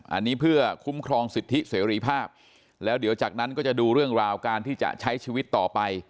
อันนี้เพื่อคุ้มครองสิทธิเสรีภาพแล้วเดี๋ยวจากนั้นก็จะดูเรื่องราวการที่จะใช้ชีวิตต่อไป